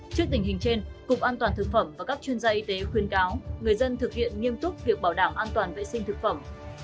trước tình hình trên cục an toàn thực phẩm và các chuyên gia y tế khuyên cáo người dân thực hiện nghiêm túc việc bảo đảm an toàn vệ sinh thực phẩm